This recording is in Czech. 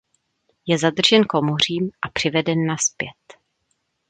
Je zadržen komořím a přiveden nazpět.